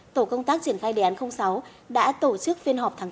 tổ công tác triển khai đề án sáu đã tổ chức phiên họp tháng bốn